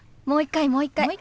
もう一回もう一回。